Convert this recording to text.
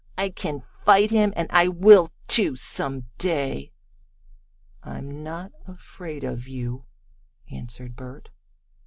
"I can fight him, and I will, too, some day." "I'm not afraid of you," answered Bert. Mr.